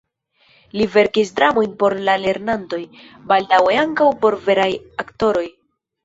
Li verkis dramojn por la lernantoj, baldaŭe ankaŭ por veraj aktoroj.